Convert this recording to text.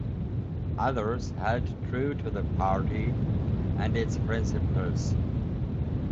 Others held true to the party and its principles.